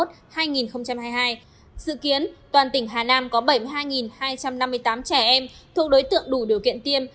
dự kiến toàn tỉnh hà nam có bảy mươi hai hai trăm năm mươi tám trẻ em thuộc đối tượng đủ điều kiện tiêm